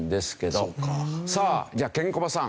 さあじゃあケンコバさん。